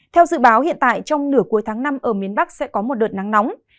theo dự báo hiện tại trong nửa cuối tháng năm ở miền bắc sẽ có một đợt nắng nóng